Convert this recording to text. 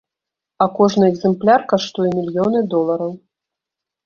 А кожны экземпляр каштуе мільёны долараў.